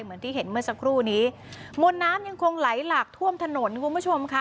เหมือนที่เห็นเมื่อสักครู่นี้มวลน้ำยังคงไหลหลากท่วมถนนคุณผู้ชมค่ะ